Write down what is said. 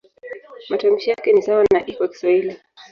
Matamshi yake ni sawa na "i" kwa Kiswahili.